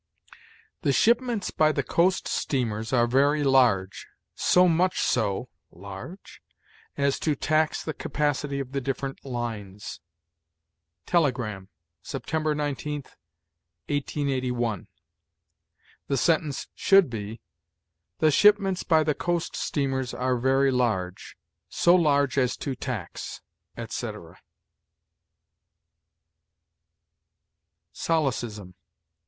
"The shipments by the coast steamers are very large, so much so [large?] as to tax the capacity of the different lines." "Telegram," September 19, 1881. The sentence should be, "The shipments by the coast steamers are very large, so large as to tax," etc. SOLECISM.